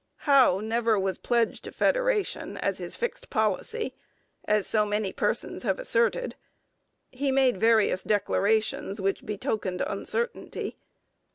Howe never was pledged to federation as his fixed policy, as so many persons have asserted. He made various declarations which betokened uncertainty.